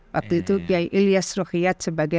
waktu itu pia ilyas rokhiat sebagai